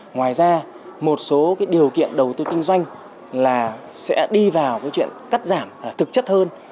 ngoài ra một số điều kiện đầu tư kinh doanh sẽ đi vào chuyện cắt giảm thực chất hơn